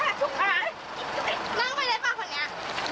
นั่งไปได้ป่ะพวกนี้